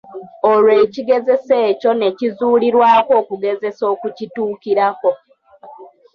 Olwo ekigezeso ekyo ne kizuulirwako okugezesa okukituukirako.